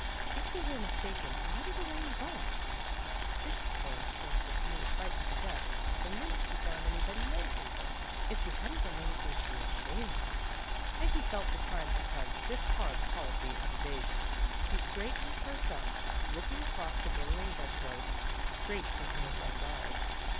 " If they were mistaken, why did Elaine run? The suspicious thing was her being frightened to death, the minute she found any body noticing her. If she hadn't done any thing to be ashamed of " Peggy felt the time had come to discard the policy of evasion. She straightened her self, looking across the billowing bed clothes, straight into her friend's eyes.